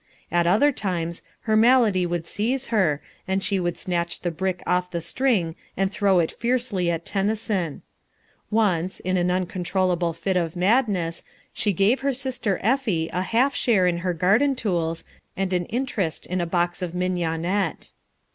At other times her malady would seize her, and she would snatch the brick off the string and throw it fiercely at Tennyson. Once, in an uncontrollable fit of madness, she gave her sister Effie a half share in her garden tools and an interest in a box of mignonette.